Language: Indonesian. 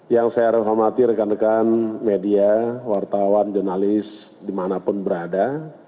yang saya hormati rekan rekan media wartawan jurnalis dimanapun berada